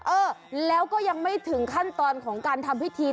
เออแล้วก็ยังไม่ถึงขั้นตอนของการทำพิธี